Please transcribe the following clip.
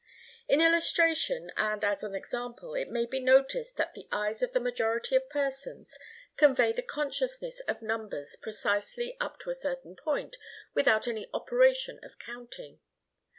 In illustration and as an example it may be noticed that the eyes of the majority of persons convey the consciousness of numbers precisely, up to a certain point, without any operation of counting.